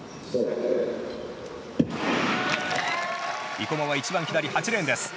生馬は一番左８レーンです。